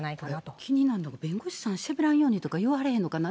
やっぱ気になるのは、弁護士さんしゃべらんようにとか、言われへんのかな。